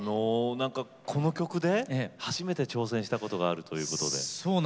この曲で初めて挑戦したことがあるということで。